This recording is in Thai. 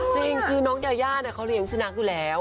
จริงคือน้องยาย่าเขาเลี้ยงสุนัขอยู่แล้ว